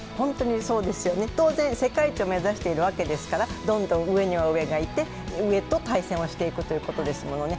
当然世界一を目指しているわけですから、上には上がいて、上と対戦をしていくということですもんね。